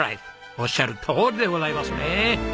おっしゃるとおりでございますね。